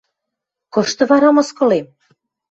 – Кышты вара мыскылем?